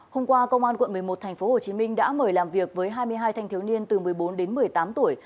hôm qua công an quận một mươi một tp hcm đã mời làm việc với hai mươi hai thanh thiếu niên từ một mươi bốn đến một mươi tám tuổi